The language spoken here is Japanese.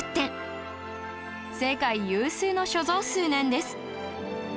世界有数の所蔵数なんです